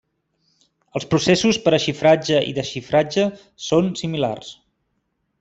Els processos per a xifratge i desxifratge són similars.